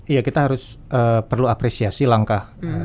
iya kita harus perlu apresiasi langkah